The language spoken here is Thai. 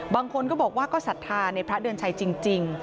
บางคนก็บอกว่าก็ศรัทธาในพระเดือนชัยจริง